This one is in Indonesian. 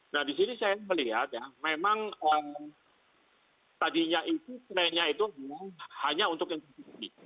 nah disini saya melihat ya memang tadinya itu selainnya itu hanya untuk investasi